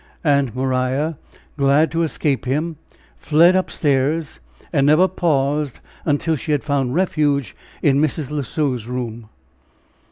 And Maria, glad to escape him, fled up stairs, and never paused until she had found refuge in Mrs. L'Oiseau's room.